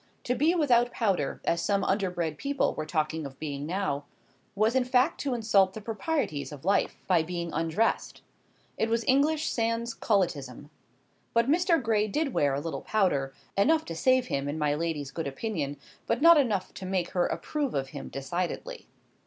To be without powder, as some underbred people were talking of being now, was in fact to insult the proprieties of life, by being undressed. It was English sans culottism. But Mr. Gray did wear a little powder, enough to save him in my lady's good opinion; but not enough to make her approve of him decidedly.